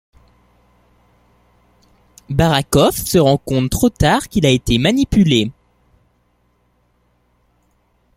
Barakoff se rend compte trop tard qu'il a été manipulé.